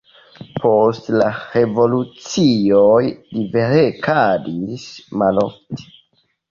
Post la revolucioj li verkadis malofte.